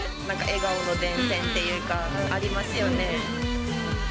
なんか笑顔の伝染っていうか、ありますよね。